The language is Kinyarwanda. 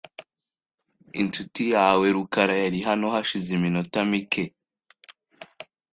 Inshuti yawe rukara yari hano hashize iminota mike .